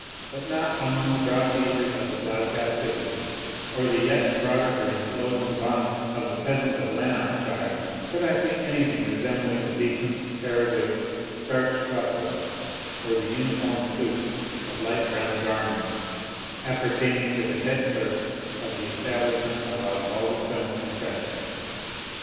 But not among the broad beavers of the Glasgow citizens, or the yet broader brimmed Lowland bonnets of the peasants of Lanarkshire, could I see anything resembling the decent periwig, starched ruffles, or the uniform suit of light brown garments appertaining to the head clerk of the establishment of Osbaldistone and Tresham.